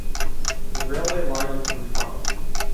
The railway line of Kurihama.